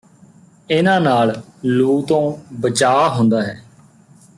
ਇਨ੍ਹਾਂ ਨਾਲ ਲੂ ਤੋਂ ਬਚਾਅ ਹੁੰਦਾ ਹੈ